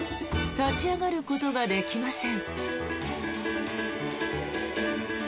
立ち上がることができません。